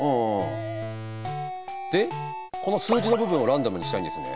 この数字の部分をランダムにしたいんですね。